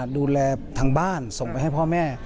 ดูแลทางบ้านส่งไปให้พ่อแม่